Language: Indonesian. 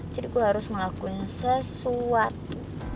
jadi gue harus ngelakuin sesuatu